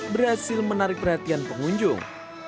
berhasil menarik perhatian pengunjung